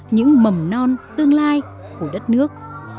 những mầm non tương lai của đất nước